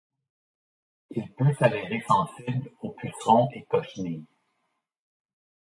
Il peut s'avérer sensible aux pucerons et cochenilles.